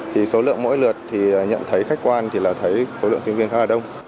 thì số lượng mỗi lượt thì nhận thấy khách quan thì là thấy số lượng sinh viên khá là đông